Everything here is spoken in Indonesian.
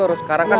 harus sekarang kan